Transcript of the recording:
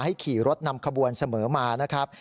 ขี่รถนำขบวนเสมอมานะครับ